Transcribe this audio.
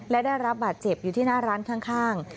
และได้รับบาดเจ็บอยู่ที่หน้าร้านข้าง